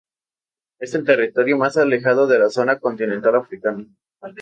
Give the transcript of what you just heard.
Es el territorio más alejado de la zona continental africana.